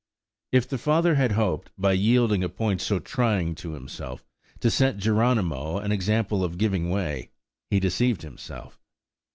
If the father hoped, by yielding a point so trying to himself, to set Geronimo an example of giving way, he deceived himself.